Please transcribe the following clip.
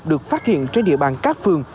được phát hiện trên địa bàn các phường